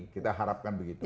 kita harapkan begitu